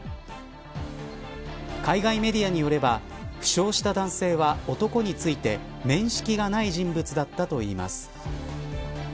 海外メディアによれば負傷した男性は男について面識がない人物だったといいます。